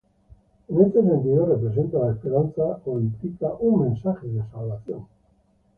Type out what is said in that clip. En este sentido, representa la esperanza o implica un mensaje de salvación.